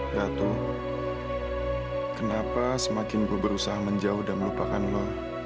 gatuh kenapa semakin gue berusaha menjauh dan melupakan lo